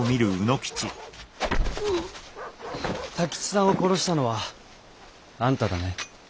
太吉さんを殺したのはあんただね？